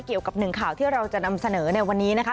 เกี่ยวกับหนึ่งข่าวที่เราจะนำเสนอในวันนี้นะคะ